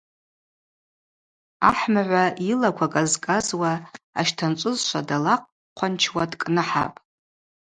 Ахӏмыгӏва йылаква кӏазкӏазуа, ащтанчӏвызшва далахъванчуа дкӏныхӏапӏ.